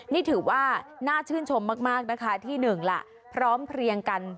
นี่ถือว่าน่าชื่นชมมากนะคะที่หนึ่งล่ะพร้อมเพลียงกัน